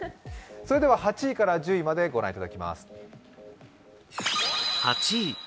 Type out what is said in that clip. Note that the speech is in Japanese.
それでは８位から１０位までご覧いただきます。